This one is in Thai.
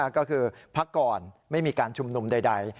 ก็คือพักก่อนไม่มีการชุมนุมใด